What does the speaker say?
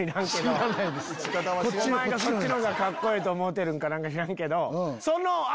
お前がそっちがカッコええと思うてるか何か知らんけど。